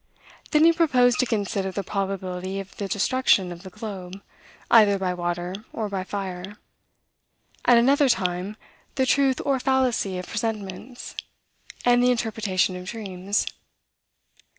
Then he proposed to consider the probability of the destruction of the globe, either by water or by fire; at another time, the truth or fallacy of presentiments, and the interpretation of dreams.